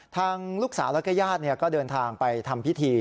ทางลูกสาวแล้วก็ญาติก็เดินทางไปทำพิธี